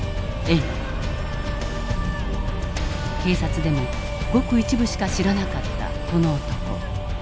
警察でもごく一部しか知らなかったこの男。